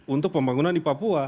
untuk pembangunan di papua